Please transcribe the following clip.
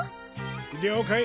了解！